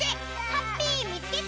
ハッピーみつけた！